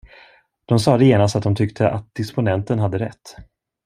De sade genast att de tyckte att disponenten hade rätt.